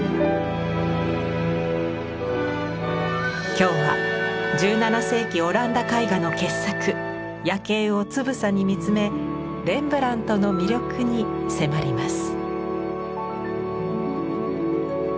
今日は１７世紀オランダ絵画の傑作「夜警」をつぶさに見つめレンブラントの魅力に迫ります。